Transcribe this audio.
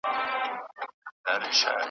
موږ ګټلی دي جنګونه تر ابده به جنګېږو .